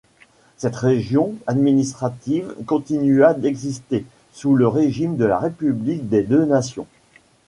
Cette région administrative continua d'exister sous le régime de la République des Deux Nations.